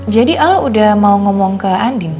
jadi al udah mau ngomong ke andin